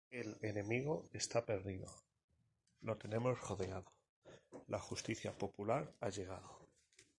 El enemigo está perdido; lo tenemos rodeado; la justicia popular ha llegado.